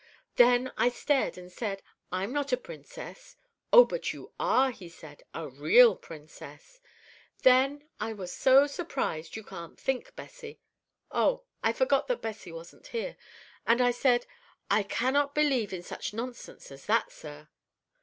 "Then I stared, and said, 'I'm not a Princess.' "'Oh, but you are,' he said; 'a real Princess.' "Then I was so surprised you can't think, Bessie. Oh, I forgot that Bessie wasn't here. And I said, 'I cannot believe such nonsense as that, sir.'